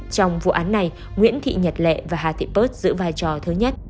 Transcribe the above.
trong vụ án này nguyễn thị nhật lệ và hà thị pơt giữ vai trò thứ nhất